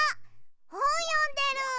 ほんよんでる。